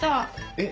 えっ？